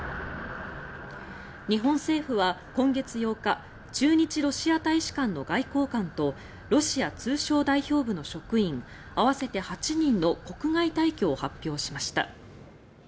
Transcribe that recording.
日本政府は今月８日駐日ロシア大使館の外交官とロシア通商代表部の職員合わせて８人の国外退去を発表しました。